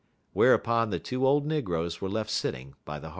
Whereupon the two old negroes were left sitting by the hearth.